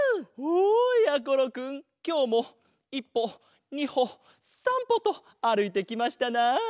きょうも１ぽ２ほ３ぽとあるいてきましたな。